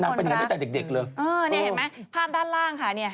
น้ำเขาไปเหนือไม่แต่เด็กเลยนี่เห็นไหมภาพด้านล่างค่ะ